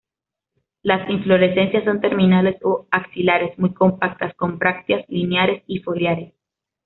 Las inflorescencias son terminales o axilares, muy compactas, con brácteas lineares y foliares.